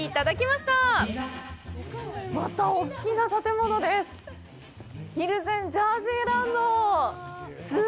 また大きな建物です。